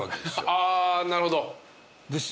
あなるほど。